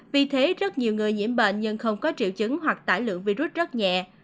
vì thế rất nhiều người nhiễm bệnh nhưng không có triệu chứng hoặc tải lượng virus rất nhẹ